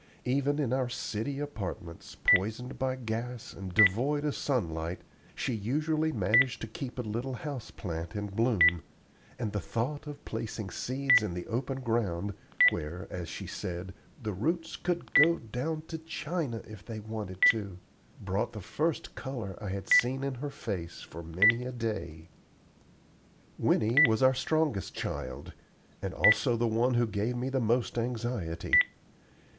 Even in our city apartments, poisoned by gas and devoid of sunlight, she usually managed to keep a little house plant in bloom, and the thought of placing seeds in the open ground, where, as she said, "the roots could go down to China if they wanted to," brought the first color I had seen in her face for many a day. Winnie was our strongest child, and also the one who gave me the most anxiety.